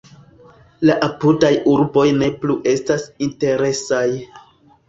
La apudaj urboj ne plu estas interesaj.